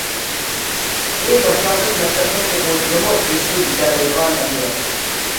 بۇ باشلانغۇچ مەكتەپنىڭ ئوقۇغۇچىلىرىمۇ ھېس قىلىپ يېتەلەيدىغان ئەمەلىيەت.